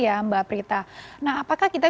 ya mbak prita nah apakah kita